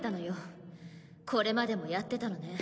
これまでもやってたのね。